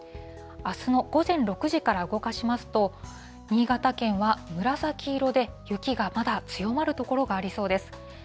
あすの午前６時から動かしますと、新潟県は紫色で、雪がまだ強まる所がありそうです。